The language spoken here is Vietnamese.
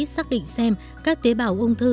xác định xem các tế bào ung thư